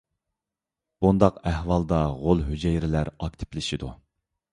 بۇنداق ئەھۋالدا غول ھۈجەيرىلەر ئاكتىپلىشىدۇ.